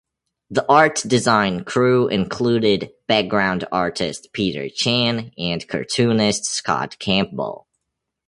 The art design crew included background artist Peter Chan and cartoonist Scott Campbell.